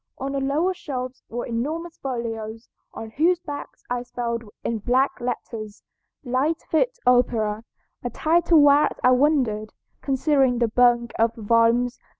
On the lower shelves were enormous folios, on whose backs I spelled in black letters, 'Lightfoot Opera,' a title whereat I wondered, considering the bulk of the volumes.